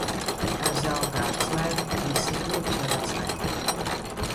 Ar zelta atslēgu visas durvis var atslēgt.